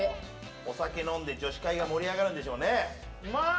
お酒飲んで女子会が盛り上がるんでしょうね。